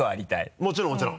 もちろんもちろん！